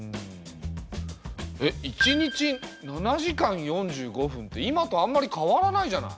えっ一日７時間４５分って今とあんまり変わらないじゃない。